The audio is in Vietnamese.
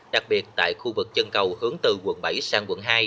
đặc biệt tại khu vực chân cầu hướng từ quận bảy sang quận hai